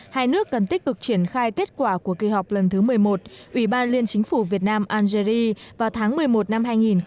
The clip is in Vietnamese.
hai nước cần tích cực triển khai kết quả của kỳ họp lần thứ một mươi một ủy ban liên chính phủ việt nam algeri vào tháng một mươi một năm hai nghìn một mươi chín